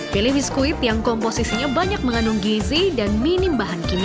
pilih biskuit yang komposisinya banyak mengandung gizi dan minim bahan kimia